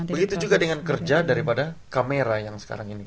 begitu juga dengan kerja daripada kamera yang sekarang ini